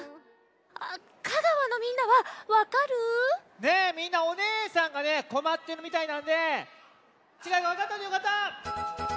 香川のみんなはわかる？ねえみんなおねえさんがこまってるみたいなんでちがいがわかったというかた！